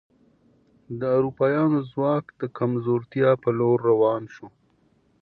د اروپایانو ځواک د کمزورتیا په لور روان شو.